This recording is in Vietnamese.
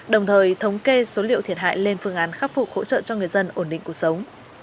đồng thời thống kê số liệu thiệt hại lên phương án khắc phục hỗ trợ cho người dân ổn định cuộc sống